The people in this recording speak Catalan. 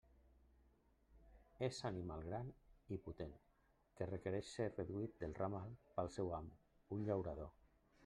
És animal gran i potent que requereix ser reduït del ramal pel seu amo, un llaurador.